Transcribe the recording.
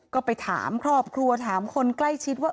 ก็ไปถามครอบครัวถามคนใกล้ชิดว่า